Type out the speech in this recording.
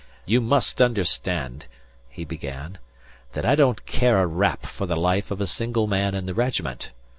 "You must understand," he began, "that I don't care a rap for the life of a single man in the regiment.